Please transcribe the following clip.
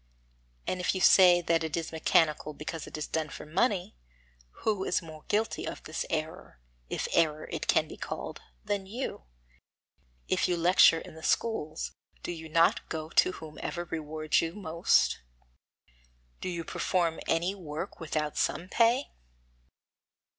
And if you say that it is mechanical because it is done for money, who is more guilty of this error if error it can be called than you? If you lecture in the schools, do you not go to whomsoever rewards you most? Do you perform any work without some pay?